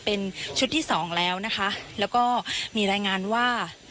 เป็นชุดที่สองแล้วนะคะแล้วก็มีรายงานว่า